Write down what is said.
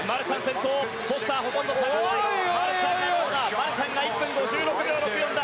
マルシャンが１分５６秒６４だ。